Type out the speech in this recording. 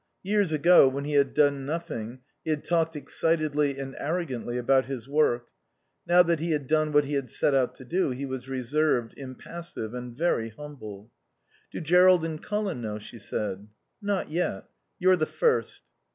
Years ago, when he had done nothing, he had talked excitedly and arrogantly about his work; now that he had done what he had set out to do he was reserved, impassive and very humble. "Do Jerrold and Colin know?" she said. "Not yet. You're the first."